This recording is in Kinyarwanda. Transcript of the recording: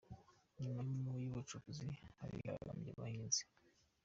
Nyuma y’abacukuzi harigaragambya abahinzi